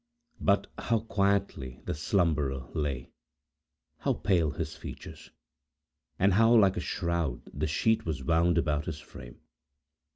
But, how quietly the slumberer lay! how pale his features! and how like a shroud the sheet was wound about his frame!